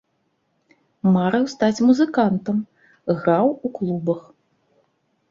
Марыў стаць музыкантам, граў у клубах.